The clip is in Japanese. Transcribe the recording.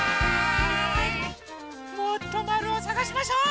もっとまるをさがしましょう！